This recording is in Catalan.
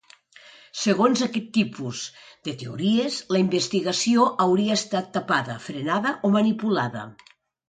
Segons aquest tipus de teories, la investigació hauria estat tapada, frenada o manipulada.